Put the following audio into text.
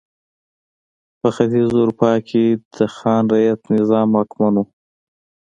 په ختیځه اروپا کې د خان رعیت نظام واکمن و.